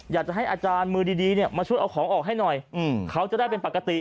อยากจะให้อาจารย์มือดีเนี่ยมาช่วยเอาของออกให้หน่อยเขาจะได้เป็นปกติ